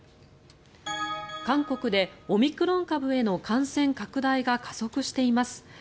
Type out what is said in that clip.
韓国でオミクロン株への感染拡大が加速しています。